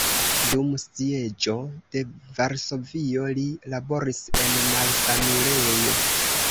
Dum sieĝo de Varsovio li laboris en malsanulejo.